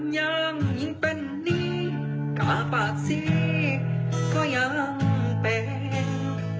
อย่างยิ่งเป็นนี้กะบาดสีก็ยังเป็น